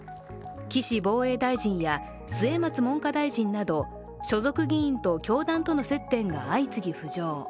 岸防衛大臣や末松文科大臣など所属議員と、教団との接点が相次ぎ浮上。